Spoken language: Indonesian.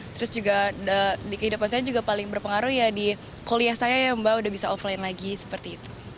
terus juga di kehidupan saya juga paling berpengaruh ya di kuliah saya ya mbak udah bisa offline lagi seperti itu